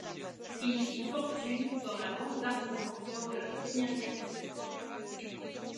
Il fit fortune dans la vente d'armement lors de la Première Guerre mondial.